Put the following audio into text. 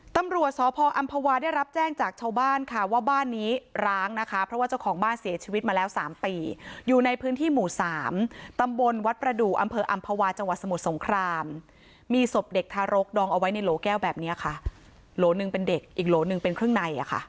ตำรวจสพอำภาวาได้รับแจ้งจากชาวบ้านค่ะว่าบ้านนี้ร้างนะคะเพราะว่าเจ้าของบ้านเสียชีวิตมาแล้วสามปีอยู่ในพื้นที่หมู่สามตำบลวัดประดูกอำเภออำภาวาจังหวัดสมุทรสงครามมีศพเด็กทารกดองเอาไว้ในโหลแก้วแบบนี้ค่ะโหลหนึ่งเป็นเด็กอีกโหลหนึ่งเป็นเครื่องในอ่ะค่ะ